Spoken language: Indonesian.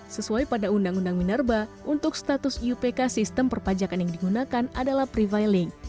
sesuai pada undang undang minerba untuk status iupk sistem perpajakan yang digunakan adalah prevailing